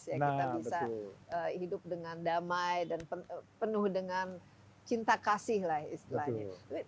ya kita bisa hidup dengan damai dan penuh dengan cinta kasih lah istilahnya